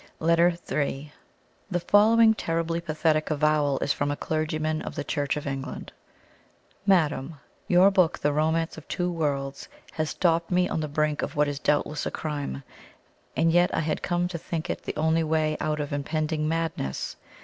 LETTER III. [The following terribly pathetic avowal is from a clergyman of the Church of England: ] "MADAM, "Your book, the 'Romance of Two Worlds,' has stopped me on the brink of what is doubtless a crime, and yet I had come to think it the only way out of impending madness.